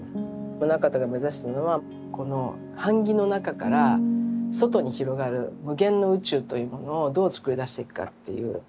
棟方が目指したのはこの版木の中から外に広がる無限の宇宙というものをどうつくり出していくかっていう。